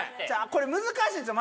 これ難しいんですよ